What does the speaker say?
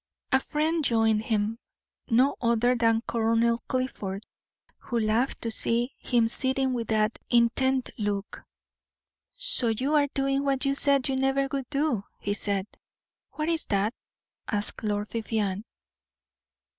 A friend joined him, no other than Colonel Clifford, who laughed to see him sitting with that intent look. "So you are doing what you said you never would do," he said. "What is that?" asked Lord Vivianne.